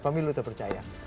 pami lo terpercaya